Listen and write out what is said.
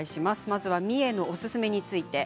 三重のおすすめについて。